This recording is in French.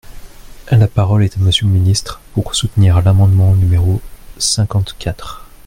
La parole est à Monsieur le ministre, pour soutenir l’amendement numéro cinquante-quatre.